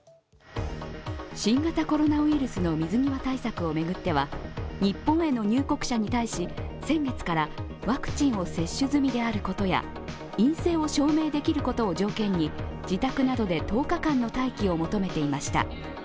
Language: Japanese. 新型コロナウイルスの水際対策を巡っては、日本への入国者に対し、先月からワクチンを接種済みであることや陰性を証明できることを条件に自宅などで１０日間の待機を求めていました。